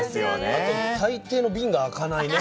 あと大抵の瓶が開かないね。